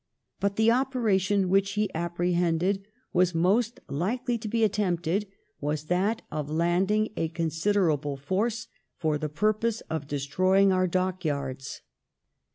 But the operation which he apprehended was most likely to be attempted, was that of landing a considerable force for the purpose of destroying our dockyards.